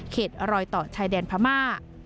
รอยต่อชายแดนพม่า